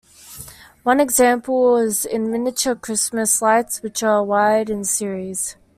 One example is in miniature Christmas lights which are wired in series.